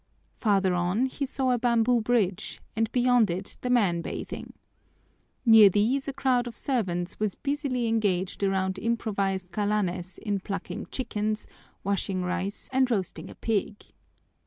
Farther on he saw a bamboo bridge and beyond it the men bathing. Near these a crowd of servants was busily engaged around improvised kalanes in plucking chickens, washing rice, and roasting a pig.